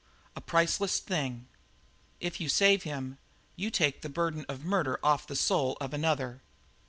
"A priceless thing. If you save him, you take the burden of murder off the soul of another."